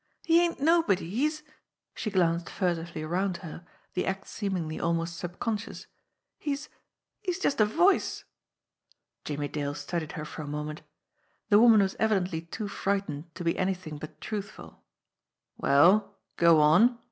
"He ain't nobody, he's" she glanced furtively around her, the act seemingly almost subconscious "he's he's just a voice." Jimmie Dale studied her for a moment. The woman was evidently too frightened to be anything but truthful. "Well, go on!"